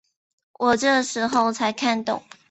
我这时候才看懂